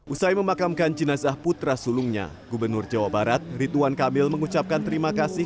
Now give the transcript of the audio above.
usai memakamkan jenazah putra sulungnya gubernur jawa barat rituan kamil mengucapkan terima kasih